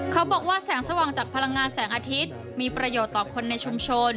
เขาบอกว่าแสงสว่างจากพลังงานแสงอาทิตย์มีประโยชน์ต่อคนในชุมชน